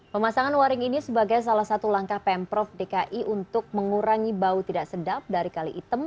pemasangan waring ini sebagai salah satu langkah pemprov dki untuk mengurangi bau tidak sedap dari kali item